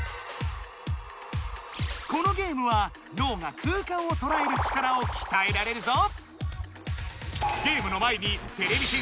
このゲームはのうが空間をとらえる力をきたえられるぞ！